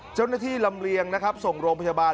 เจ้าหน้าที่ลำเลียงนะครับส่งโรงพจบาล